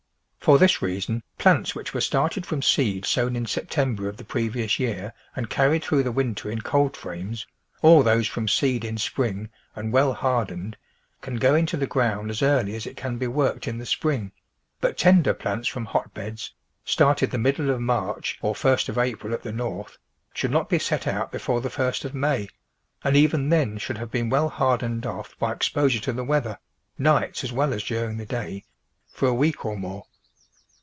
For this reason plants which were started from seed sown in September of the pre vious year and carried through the winter in cold frames or those from seed in spring and well hard ened can go into the ground as early as it can be worked in the spring, but tender plants from hot beds, started the middle of IMarch or first of April at the North, should not be set out before the first of May, and even then should have been well hardened off by exposure to the weather — nights as well as during the day — for a week or more.